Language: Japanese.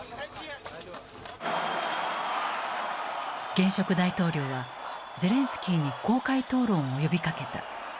現職大統領はゼレンスキーに公開討論を呼びかけた。